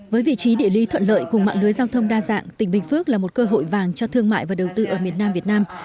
với vị trí địa lý thuận lợi cùng mạng lưới giao thông đa dạng tỉnh bình phước là một cơ hội vàng cho thương mại và đầu tư ở miền nam việt nam